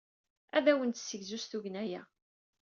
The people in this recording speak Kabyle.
Ad awen-d-tessegzu s tugna-a.